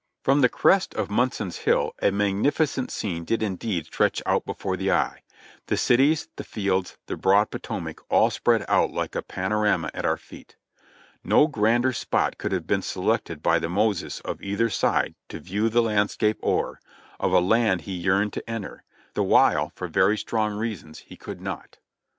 From the crest of Munson's Hill a magnificent scene did indeed stretch out before the eye; the cities, the fields, the broad Po tomac all spread out like a panorama at our feet. No grander spot could have been selected by the Moses of either side to ''view the landscape o'er," of a land he yearned to enter, the while for very strong reasons he could not.